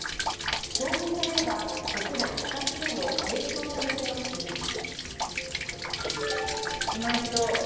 承認されれば、国内２つ目の軽症者向けの薬です。